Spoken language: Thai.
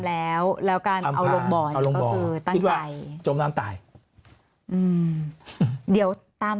แล้วการเอามบอร์ติใจแม่งตายอืมเดี๋ยวตาม